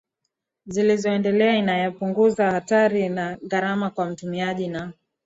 zilizoendelea inayopunguza hatari na gharama kwa mtumiaji na